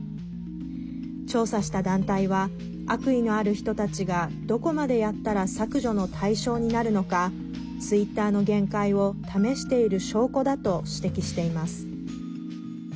調査した団体は悪意のある人たちがどこまでやったら削除の対象になるのかツイッターの限界を試している証拠だと指摘しています。